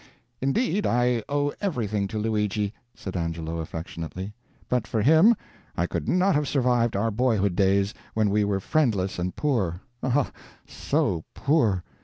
"Indeed I owe everything to Luigi," said Angelo, affectionately. "But for him I could not have survived our boyhood days, when we were friendless and poor ah, so poor!